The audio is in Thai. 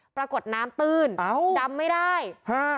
ปรากฏน้ำตื้นดำไม่ได้ฮะ